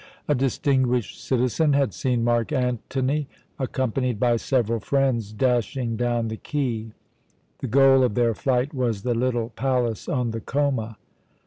A distinguished citizen had seen Mark Antony, accompanied by several friends, dashing down the quay. The goal of their flight was the little palace on the Choma.